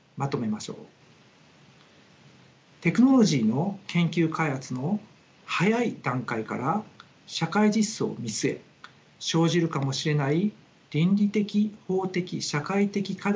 テクノロジーの研究開発の早い段階から社会実装を見据え生じるかもしれない倫理的・法的・社会的課題